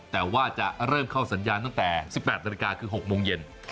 แต่ว่าจะเริ่มเข้าสัญญาณตั้งแต่๑๘นาฬิกาคือ๖โมงเย็น